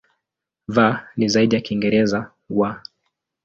V ni zaidi ya Kiingereza "w".